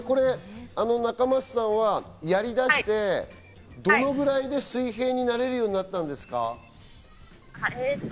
仲舛さんはこれをやりだして、どのくらいで水平になれるようになったんですか？